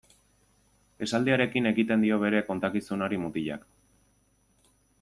Esaldiarekin ekiten dio bere kontakizunari mutilak.